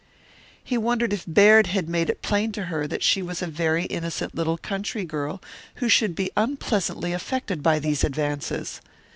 He wondered if Baird had made it plain to her that she was a very innocent little country girl who should be unpleasantly affected by these advances.